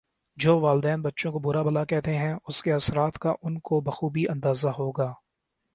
جو والدین بچوں کا برا بھلا کہتے ہیں اسکے اثرات کا انکو بخوبی اندازہ ہو گا